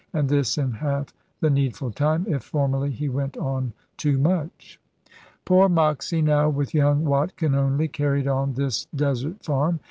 And this in half the needful time, if formerly he went on too much. Poor Moxy now, with young Watkin only, carried on this desert farm.